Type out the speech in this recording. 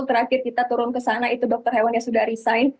terakhir kita turun ke sana itu dokter hewan yang sudah resign